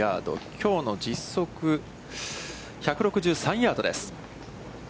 きょうの実測、１６３ヤードです。